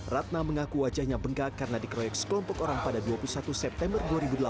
ratna mengaku wajahnya bengkak karena dikeroyok sekelompok orang pada dua puluh satu september dua ribu delapan belas